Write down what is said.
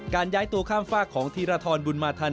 ย้ายตัวข้ามฝากของธีรทรบุญมาทัน